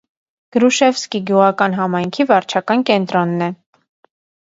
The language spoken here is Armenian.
Գրուշևսկի գյուղական համայնքի վարչական կենտրոնն է։